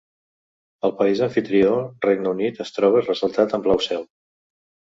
El país amfitrió, Regne Unit, es troba ressaltat en blau cel.